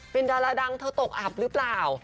เป็นดาราดังเธอตกอับหรือเปล่า